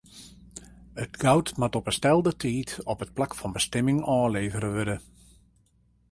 It guod moat op 'e stelde tiid op it plak fan bestimming ôflevere wurde.